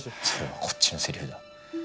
それはこっちのセリフだ。